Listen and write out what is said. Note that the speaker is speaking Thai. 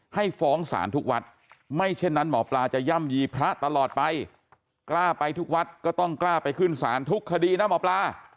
ให้ฟ้องศาลทุกวัดไม่เช่นนั้นหมอปลาจะย่ำยีพระตลอดไปกล้าไปทุกวัดก็ต้องกล้าไปขึ้นศาลทุกคดีนะหมอปลา